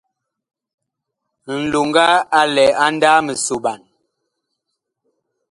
Nloŋga a lɛ a ndaaa misoɓan.